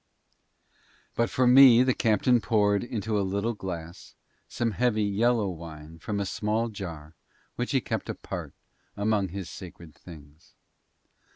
But for me the captain poured into a little glass some heavy yellow wine from a small jar which he kept apart among his sacred things.